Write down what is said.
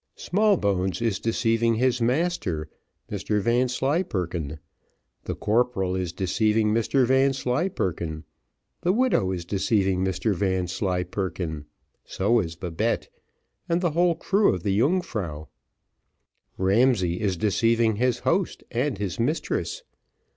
Smallbones is deceiving his master, Mr Vanslyperken the corporal is deceiving Mr Vanslyperken the widow is deceiving Mr Vanslyperken, so is Babette, and the whole crew of the Yungfrau. Ramsay is deceiving his host and his mistress.